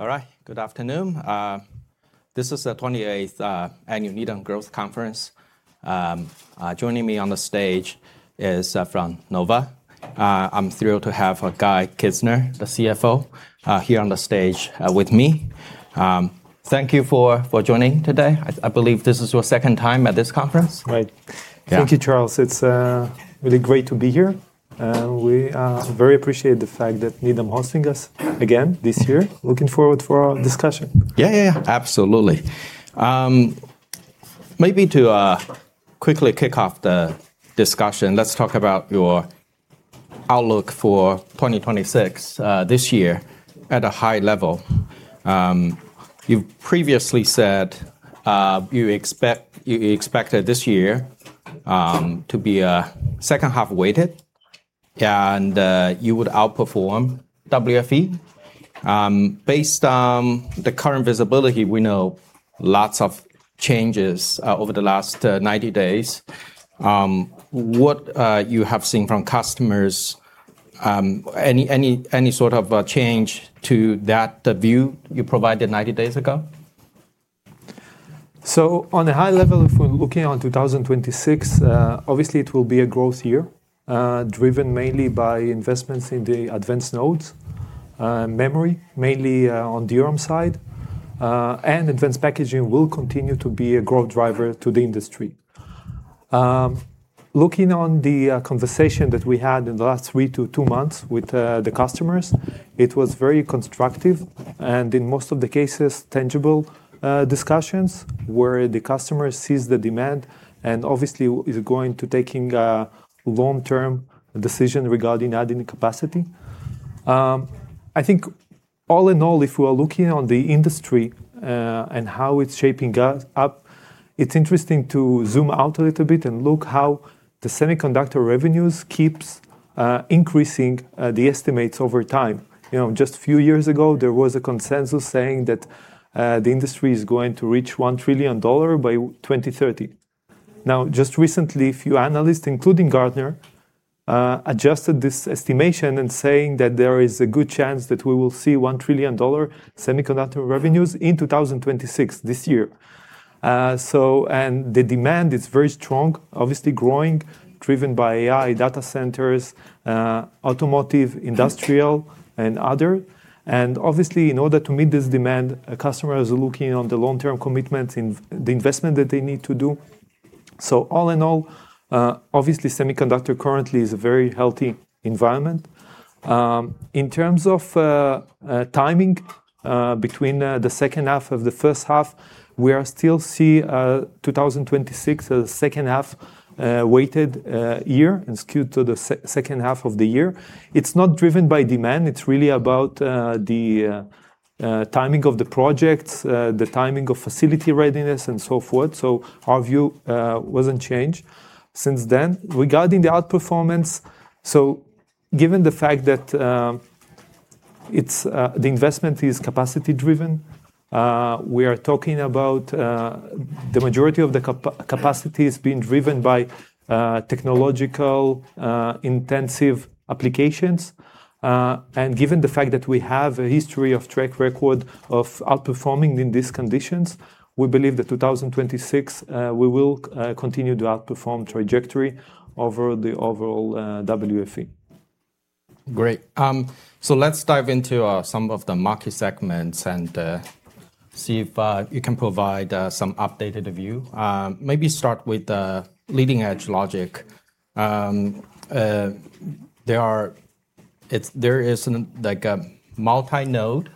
All right, good afternoon. This is the 28th Annual Needham Growth Conference. Joining me on the stage is from Nova. I'm thrilled to have Guy Kizner, the CFO, here on the stage with me. Thank you for joining today. I believe this is your second time at this conference. Right. Yeah. Thank you, Charles. It's really great to be here. We very appreciate the fact that Needham is hosting us again this year. Looking forward for our discussion. Yeah, yeah, yeah, absolutely. Maybe to quickly kick off the discussion, let's talk about your outlook for 2026, this year at a high level. You've previously said, you expect, you expected this year to be a second half weighted and you would outperform WFE. Based on the current visibility, we know lots of changes over the last 90 days. What you have seen from customers, any sort of change to that, the view you provided 90 days ago? So on a high level, if we're looking on 2026, obviously it will be a growth year, driven mainly by investments in the advanced nodes, memory, mainly, on the DRAM side, and advanced packaging will continue to be a growth driver to the industry. Looking on the conversation that we had in the last three to two months with the customers, it was very constructive and in most of the cases, tangible discussions where the customer sees the demand and obviously is going to take a long-term decision regarding adding capacity. I think all in all, if we are looking on the industry, and how it's shaping up, it's interesting to zoom out a little bit and look how the semiconductor revenues keep increasing, the estimates over time. You know, just a few years ago, there was a consensus saying that the industry is going to reach $1 trillion by 2030. Now, just recently, a few analysts, including Gartner, adjusted this estimation and saying that there is a good chance that we will see $1 trillion semiconductor revenues in 2026 this year, so and the demand is very strong, obviously growing, driven by AI, data centers, automotive, industrial, and other, and obviously in order to meet this demand, customers are looking on the long-term commitments in the investment that they need to do, so all in all, obviously semiconductor currently is a very healthy environment. In terms of timing between the second half of the first half, we still see 2026 as a second half weighted year and skewed to the second half of the year. It's not driven by demand. It's really about the timing of the projects, the timing of facility readiness and so forth. So our view wasn't changed since then regarding the outperformance. So given the fact that it's the investment is capacity driven, we are talking about the majority of the capacity is being driven by technology-intensive applications. And given the fact that we have a history of track record of outperforming in these conditions, we believe that 2026 we will continue to outperform trajectory over the overall WFE. Great. So let's dive into some of the market segments and see if you can provide some updated view. Maybe start with the leading edge logic. There is like a multi-node,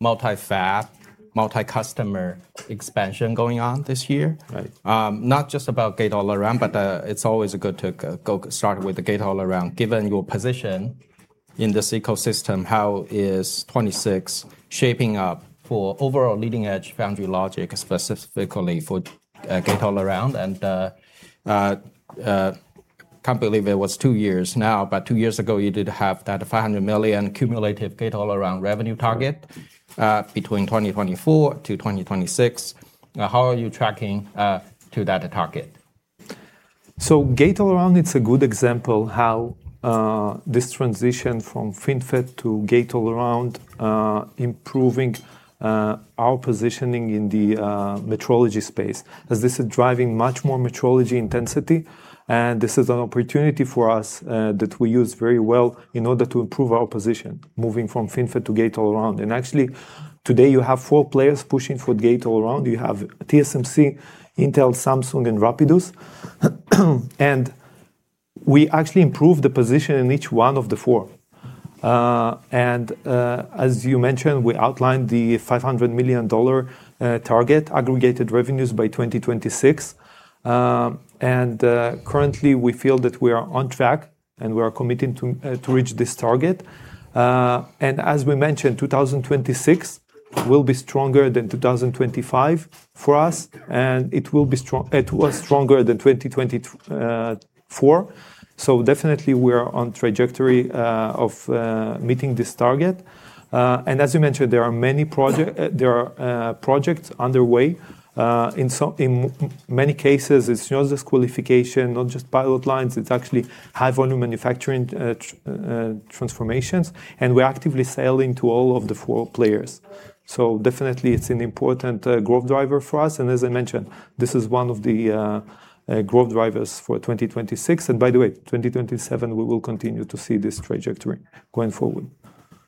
multi-fab, multi-customer expansion going on this year. Right. Not just about Gate-All-Around, but it's always good to go start with the Gate-All-Around, given your position in this ecosystem. How is 26 shaping up for overall leading edge foundry logic, specifically for Gate-All-Around? And can't believe it was two years now, but two years ago you did have that $500 million cumulative Gate-All-Around revenue target, between 2024 to 2026. How are you tracking to that target? Gate-All-Around is a good example how this transition from FinFET to Gate-All-Around improving our positioning in the metrology space as this is driving much more metrology intensity. This is an opportunity for us that we use very well in order to improve our position moving from FinFET to Gate-All-Around. Actually today you have four players pushing for Gate-All-Around. You have TSMC, Intel, Samsung, and Rapidus. We actually improved the position in each one of the four. As you mentioned, we outlined the $500 million target aggregated revenues by 2026. Currently we feel that we are on track and we are committing to reach this target. As we mentioned, 2026 will be stronger than 2025 for us, and it will be strong, it was stronger than 2024. So, definitely we are on trajectory of meeting this target. And as you mentioned, there are many projects, projects underway. In many cases, it's not just qualification, not just pilot lines. It's actually high volume manufacturing transformations. And we're actively selling to all of the four players. So, definitely it's an important growth driver for us. And as I mentioned, this is one of the growth drivers for 2026. And by the way, 2027, we will continue to see this trajectory going forward.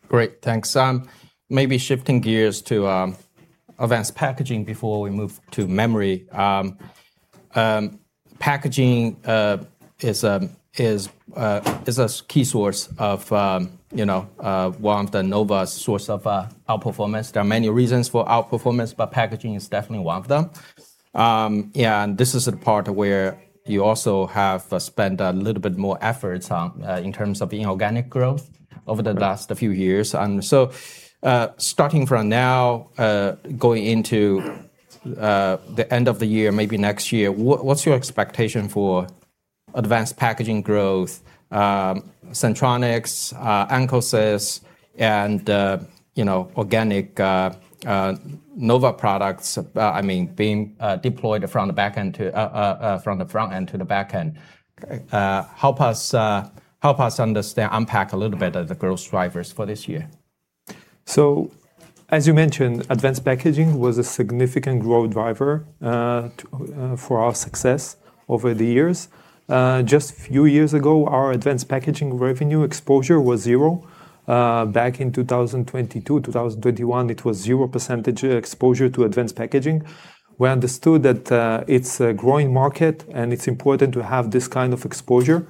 Great. Thanks. Maybe shifting gears to advanced packaging before we move to memory. Packaging is a key source of, you know, one of Nova's sources of outperformance. There are many reasons for outperformance, but packaging is definitely one of them. This is a part where you also have spent a little bit more efforts on, in terms of inorganic growth over the last few years. So, starting from now, going into the end of the year, maybe next year, what's your expectation for advanced packaging growth, Sentronics, Ancosys, and, you know, organic Nova products, I mean, being deployed from the backend to, from the front end to the backend. Help us understand, unpack a little bit of the growth drivers for this year. So as you mentioned, advanced packaging was a significant growth driver for our success over the years. Just a few years ago, our advanced packaging revenue exposure was zero. Back in 2022, 2021, it was zero percentage exposure to advanced packaging. We understood that it's a growing market and it's important to have this kind of exposure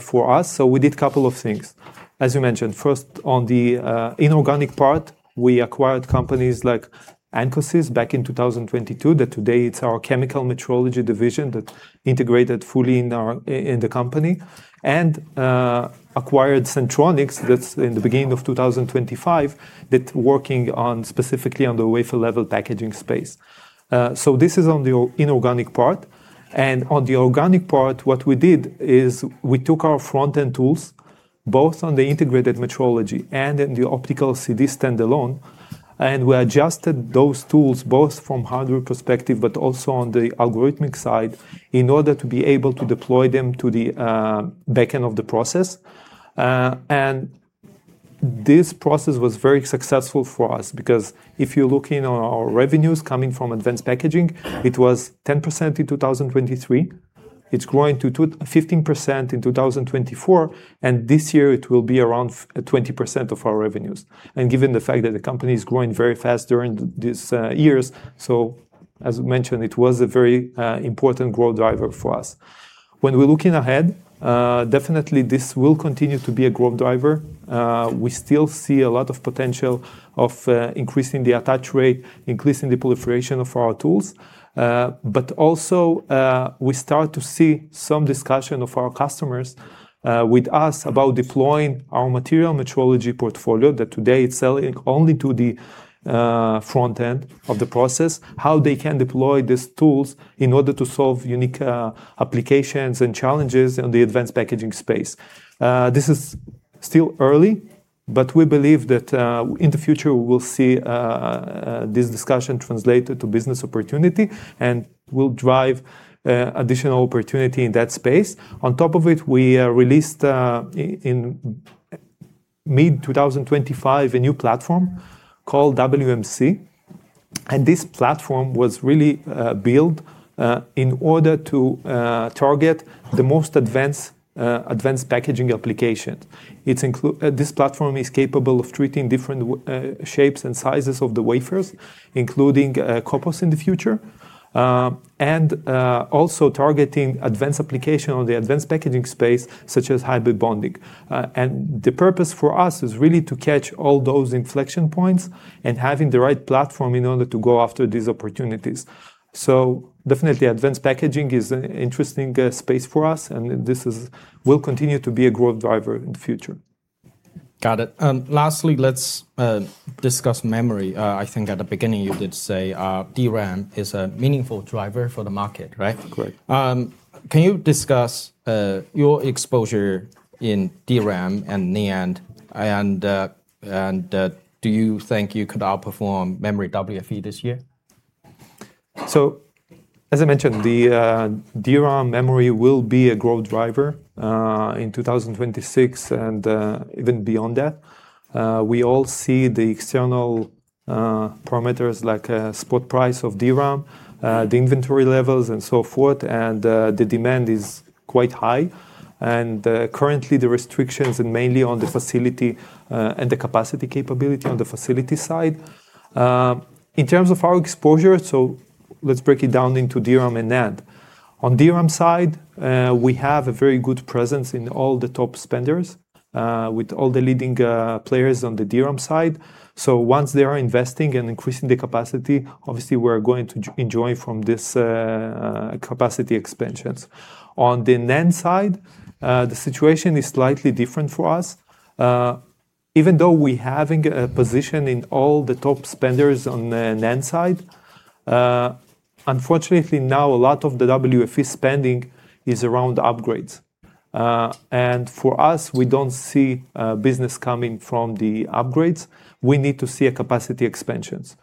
for us. So we did a couple of things. As you mentioned, first on the inorganic part, we acquired companies like Ancosys back in 2022 that today it's our chemical metrology division that integrated fully in our company and acquired Sentronics that's in the beginning of 2025 that's working on specifically on the wafer level packaging space. So this is on the inorganic part. And on the organic part, what we did is we took our front-end tools both on the integrated metrology and in the optical CD standalone, and we adjusted those tools both from hardware perspective, but also on the algorithmic side in order to be able to deploy them to the back-end of the process. And this process was very successful for us because if you're looking at our revenues coming from advanced packaging, it was 10% in 2023. It's growing to 15% in 2024. And this year it will be around 20% of our revenues. And given the fact that the company is growing very fast during these years. So as mentioned, it was a very important growth driver for us. When we're looking ahead, definitely this will continue to be a growth driver. We still see a lot of potential of increasing the attach rate, increasing the proliferation of our tools. But also, we start to see some discussion of our customers with us about deploying our material metrology portfolio that today it's selling only to the front end of the process, how they can deploy these tools in order to solve unique applications and challenges in the advanced packaging space. This is still early, but we believe that in the future we'll see this discussion translated to business opportunity and will drive additional opportunity in that space. On top of it, we released in mid-2025 a new platform called WMC. And this platform was really built in order to target the most advanced advanced packaging applications. It's included, this platform is capable of treating different shapes and sizes of the wafers, including copper in the future. Also targeting advanced applications in the advanced packaging space, such as hybrid bonding, and the purpose for us is really to catch all those inflection points and having the right platform in order to go after these opportunities, so definitely advanced packaging is an interesting space for us, and this will continue to be a growth driver in the future. Got it. Lastly, let's discuss memory. I think at the beginning you did say, DRAM is a meaningful driver for the market, right? Correct. Can you discuss your exposure in DRAM and NAND, and do you think you could outperform memory WFE this year? So as I mentioned, the DRAM memory will be a growth driver in 2026 and even beyond that. We all see the external parameters like spot price of DRAM, the inventory levels and so forth, and the demand is quite high, and currently the restrictions and mainly on the facility, and the capacity capability on the facility side. In terms of our exposure, so let's break it down into DRAM and NAND. On the DRAM side, we have a very good presence in all the top spenders, with all the leading players on the DRAM side. So once they are investing and increasing the capacity, obviously we're going to enjoy from this capacity expansions. On the NAND side, the situation is slightly different for us. Even though we having a position in all the top spenders on the NAND side, unfortunately now a lot of the WFE spending is around upgrades. And for us, we don't see business coming from the upgrades. We need to see a capacity expansions.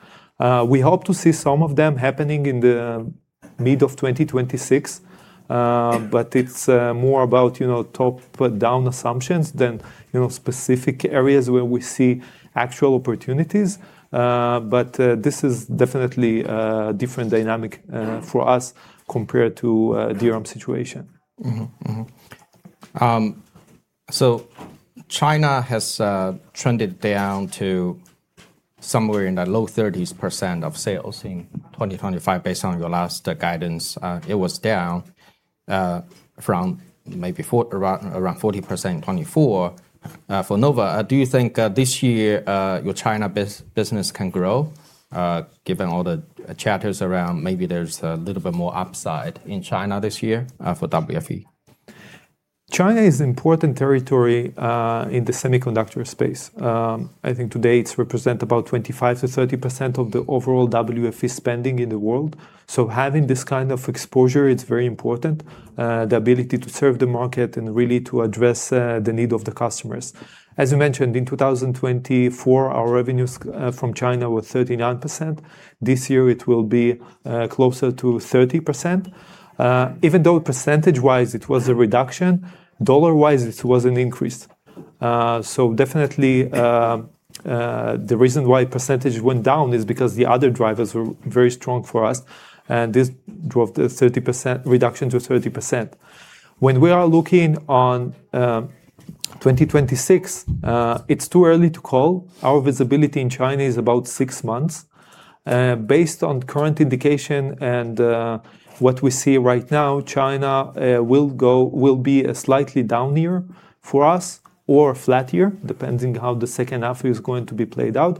We hope to see some of them happening in the mid of 2026. But it's more about, you know, top-down assumptions than, you know, specific areas where we see actual opportunities. But this is definitely a different dynamic for us compared to the DRAM situation. Mm-hmm. Mm-hmm. So China has trended down to somewhere in the low 30% of sales in 2025 based on your last guidance. It was down from maybe around 40% in 2024. For Nova, do you think this year your China business can grow, given all the chatter around maybe there's a little bit more upside in China this year for WFE? China is an important territory in the semiconductor space. I think today it's represented about 25%-30% of the overall WFE spending in the world. So having this kind of exposure, it's very important, the ability to serve the market and really to address the need of the customers. As you mentioned, in 2024, our revenues from China were 39%. This year it will be closer to 30%. Even though percentage-wise it was a reduction, dollar-wise it was an increase. So definitely, the reason why percentage went down is because the other drivers were very strong for us and this drove the 30% reduction to 30%. When we are looking on 2026, it's too early to call. Our visibility in China is about six months. Based on current indication and what we see right now, China will be a slightly down year for us or flat year, depending how the second half is going to be played out.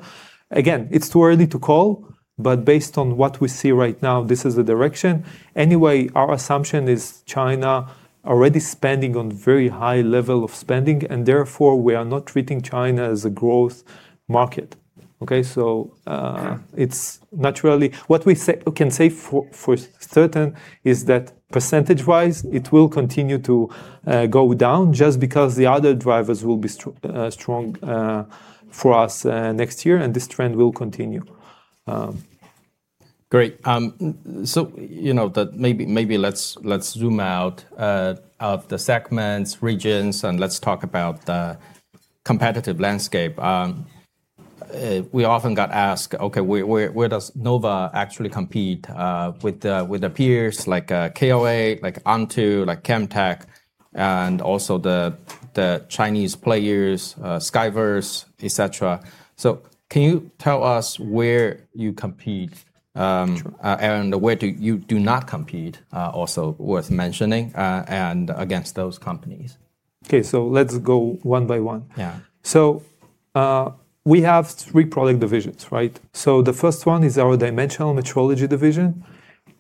Again, it's too early to call, but based on what we see right now, this is the direction. Anyway, our assumption is China already spending on very high level of spending and therefore we are not treating China as a growth market. Okay. So, it's naturally what we can say for certain is that percentage-wise it will continue to go down just because the other drivers will be strong for us next year and this trend will continue. Great. So, you know, that maybe let's zoom out of the segments, regions, and let's talk about the competitive landscape. We often get asked, okay, where does Nova actually compete with the peers like KLA, like Onto, like Camtek, and also the Chinese players, Skyverse, et cetera. So can you tell us where you compete, and where do you not compete, also worth mentioning, and against those companies? Okay, so let's go one by one. Yeah. So, we have three product divisions, right? So the first one is our dimensional metrology division.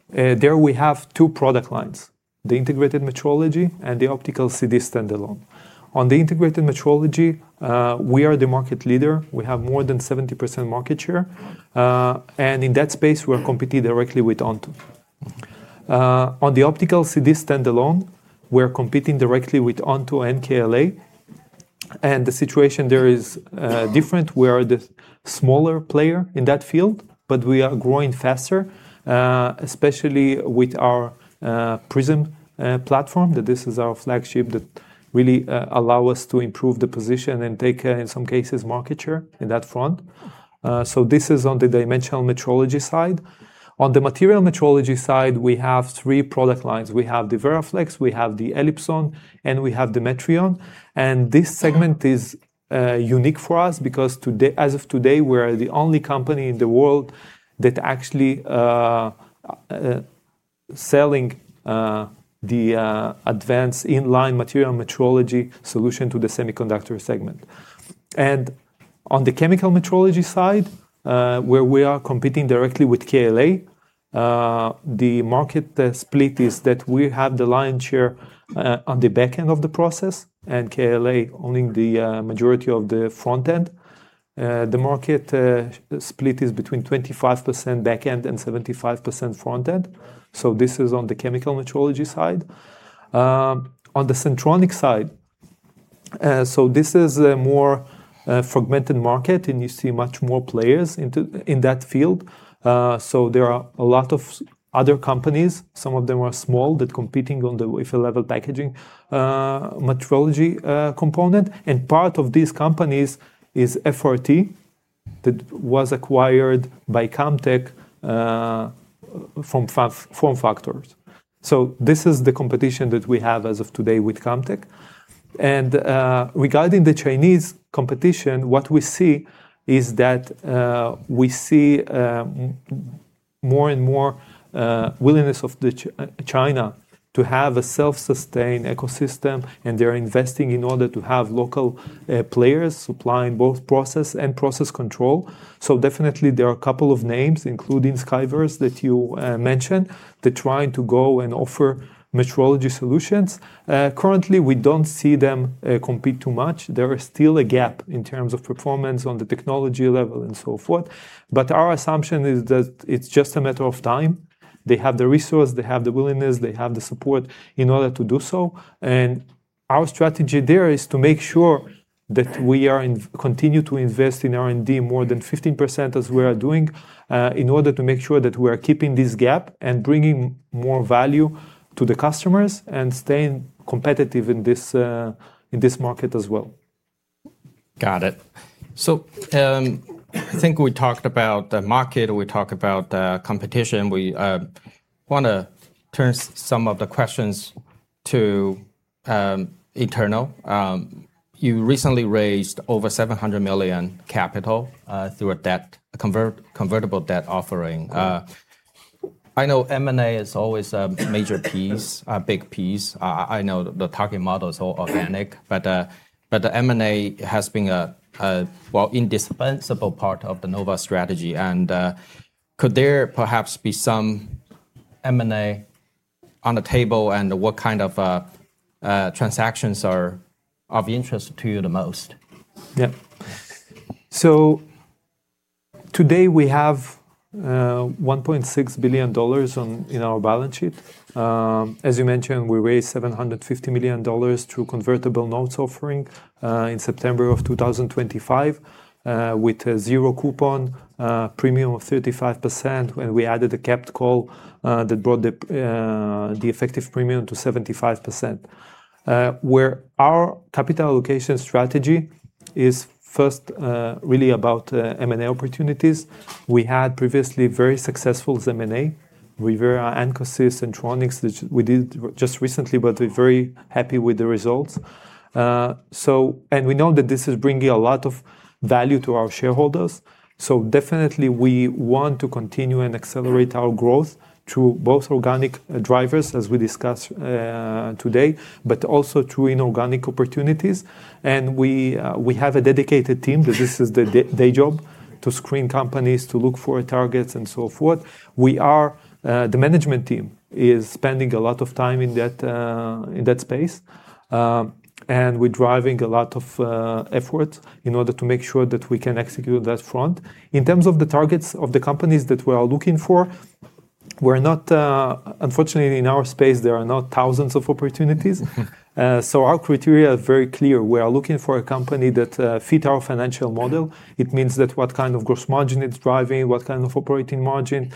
There we have two product lines, the integrated metrology and the optical CD standalone. On the integrated metrology, we are the market leader. We have more than 70% market share. And in that space we are competing directly with Onto. Mm-hmm. On the optical CD standalone, we're competing directly with Onto and KLA. And the situation there is different. We are the smaller player in that field, but we are growing faster, especially with our Prism platform that this is our flagship that really allow us to improve the position and take in some cases market share in that front. So this is on the dimensional metrology side. On the material metrology side, we have three product lines. We have the VeraFlex, we have the Elipson, and we have the Metrion. And this segment is unique for us because today, as of today, we are the only company in the world that actually selling the advanced inline material metrology solution to the semiconductor segment. And on the chemical metrology side, where we are competing directly with KLA, the market split is that we have the lion's share on the backend of the process and KLA owning the majority of the front end. The market split is between 25% backend and 75% front end. So this is on the chemical metrology side. On the Sentronics side, so this is a more fragmented market and you see much more players in that field. So there are a lot of other companies, some of them are small that competing on the wafer level packaging metrology component. And part of these companies is FRT that was acquired by Camtek from FormFactor. So this is the competition that we have as of today with Camtek. Regarding the Chinese competition, what we see is that, we see, more and more, willingness of the China to have a self-sustained ecosystem and they're investing in order to have local players supplying both process and process control. So definitely there are a couple of names including Skyverse that you mentioned that trying to go and offer metrology solutions. Currently we don't see them compete too much. There is still a gap in terms of performance on the technology level and so forth. Our assumption is that it's just a matter of time. They have the resource, they have the willingness, they have the support in order to do so. Our strategy there is to make sure that we continue to invest in R&D more than 15% as we are doing, in order to make sure that we are keeping this gap and bringing more value to the customers and staying competitive in this, in this market as well. Got it. So, I think we talked about the market, we talked about the competition. We wanna turn some of the questions to internal. You recently raised over $700 million capital through a convertible debt offering. I know M&A is always a major piece, a big piece. I know the target model is all organic, but the M&A has been a well, indispensable part of the Nova strategy. And, could there perhaps be some M&A on the table and what kind of transactions are of interest to you the most? Yeah. So today we have $1.6 billion on in our balance sheet. As you mentioned, we raised $750 million through convertible notes offering in September of 2025 with a zero coupon premium of 35%. We added a capped call that brought the effective premium to 75%. Our capital allocation strategy is first really about M&A opportunities. We had previously very successful M&A, ReVera, Ancosys, Sentronics, which we did just recently, but we're very happy with the results. So and we know that this is bringing a lot of value to our shareholders. So definitely we want to continue and accelerate our growth through both organic drivers, as we discussed today, but also through inorganic opportunities. We have a dedicated team that this is the day job to screen companies to look for targets and so forth. We are. The management team is spending a lot of time in that, in that space, and we're driving a lot of efforts in order to make sure that we can execute that front. In terms of the targets of the companies that we are looking for, we're not. Unfortunately in our space, there are not thousands of opportunities, so our criteria are very clear. We are looking for a company that fits our financial model. It means that what kind of gross margin it's driving, what kind of operating margin,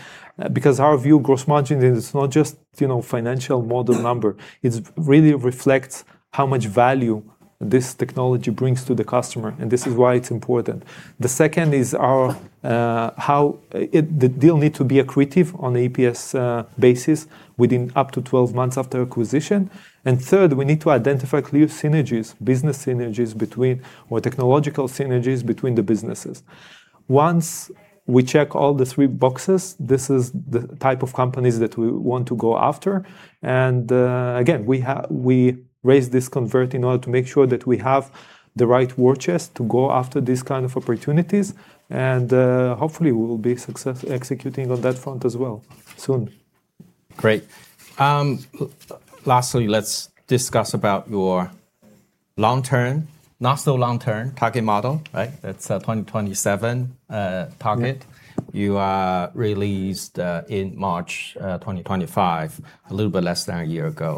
because our view, gross margin is not just, you know, financial model number. It really reflects how much value this technology brings to the customer, and this is why it's important. The second is our, how it, the deal needs to be accretive on the EPS basis within up to 12 months after acquisition. Third, we need to identify clear synergies, business synergies between or technological synergies between the businesses. Once we check all the three boxes, this is the type of companies that we want to go after. Again, we have, we raised this convert in order to make sure that we have the right war chest to go after these kind of opportunities. Hopefully we'll be successful executing on that front as well soon. Great. Lastly, let's discuss about your long-term, not so long-term target model, right? That's the 2027 target. You released in March 2025, a little bit less than a year ago.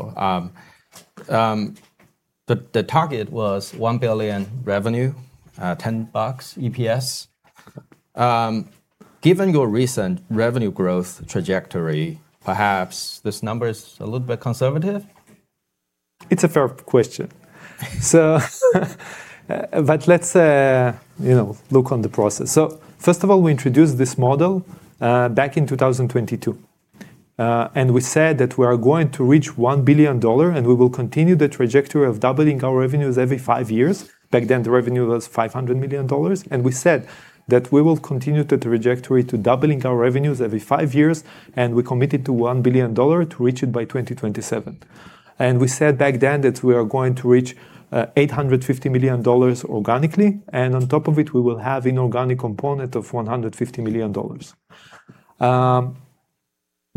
The target was $1 billion revenue, $10 EPS. Given your recent revenue growth trajectory, perhaps this number is a little bit conservative? It's a tough question. So, but let's, you know, look on the process. So first of all, we introduced this model back in 2022, and we said that we are going to reach $1 billion and we will continue the trajectory of doubling our revenues every five years. Back then, the revenue was $500 million. And we said that we will continue the trajectory to doubling our revenues every five years. We committed to $1 billion to reach it by 2027. And we said back then that we are going to reach $850 million organically. And on top of it, we will have an inorganic component of $150 million.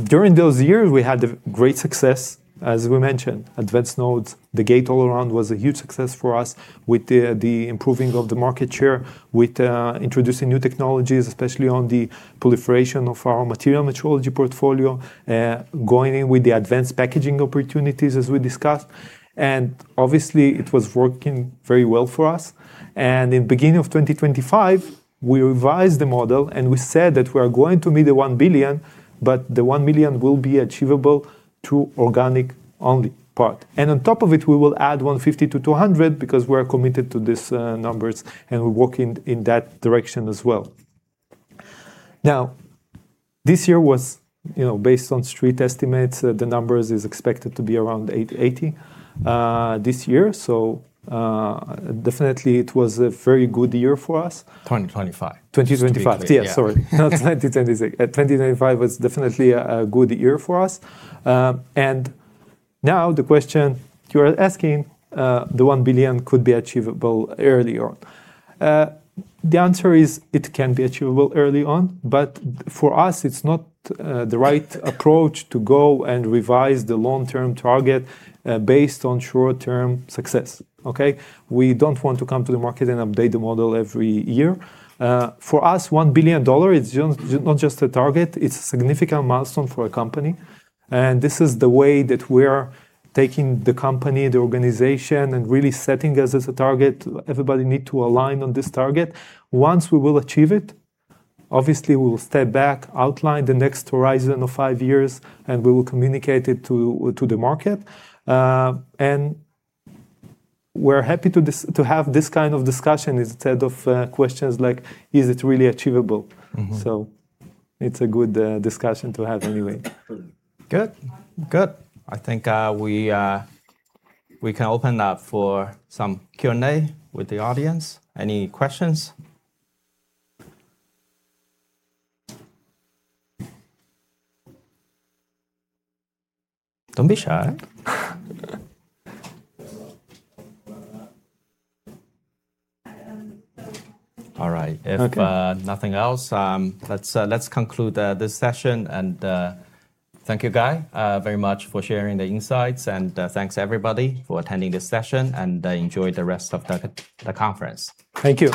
During those years, we had great success, as we mentioned, advanced nodes. The Gate-All-Around was a huge success for us with the improving of the market share with introducing new technologies, especially on the proliferation of our material metrology portfolio, going in with the advanced packaging opportunities as we discussed. Obviously it was working very well for us. In the beginning of 2025, we revised the model and we said that we are going to meet the $1 billion, but the $1 million will be achievable through organic only part. On top of it, we will add $150 million-$200 million because we're committed to these numbers and we're working in that direction as well. Now, this year was, you know, based on street estimates, the numbers is expected to be around $880 million, this year. Definitely it was a very good year for us. 2025. 2025. Yeah. Sorry. No, it's 2026. 2025 was definitely a good year for us. Now the question you are asking, the $1 billion could be achievable early on. The answer is it can be achievable early on, but for us, it's not the right approach to go and revise the long-term target based on short-term success. Okay. We don't want to come to the market and update the model every year. For us, $1 billion is just not just a target, it's a significant milestone for a company. This is the way that we are taking the company, the organization, and really setting us as a target. Everybody needs to align on this target. Once we will achieve it, obviously we'll step back, outline the next horizon of five years, and we will communicate it to the market. And we're happy to have this kind of discussion instead of questions like, is it really achievable? Mm-hmm. So it's a good discussion to have anyway. Good. Good. I think we can open up for some Q&A with the audience. Any questions? Don't be shy. All right. If nothing else, let's conclude this session and thank you, Guy, very much for sharing the insights, and thanks everybody for attending this session and enjoy the rest of the conference. Thank you.